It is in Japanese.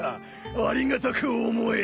ありがたく思え。